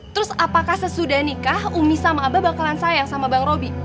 terus apakah sesudah nikah umi sama abah bakalan sayang sama bang roby